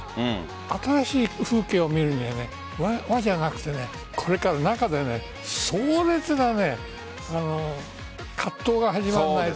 新しい風景を見ると和じゃなくてこれから中で壮絶な葛藤が始まらないと。